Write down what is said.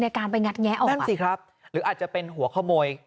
การไปงัดแงะออกมานั่นสิครับหรืออาจจะเป็นหัวขโมย